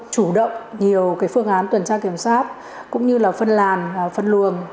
chủ động nhiều phương án tuần tra kiểm soát cũng như là phân làn phân luồng